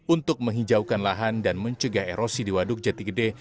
untuk menghijaukan lahan dan mencegah erosi di waduk jati gede